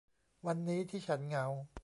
วันนี้ที่ฉันเหงา